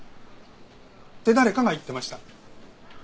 って誰かが言ってました。